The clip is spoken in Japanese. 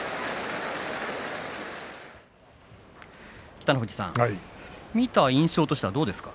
北の富士さん見た印象はどうですか。